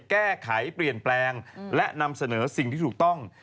แก้ไขเปลี่ยนแปลงและนำเสนอสิ่งที่ถูกต้อง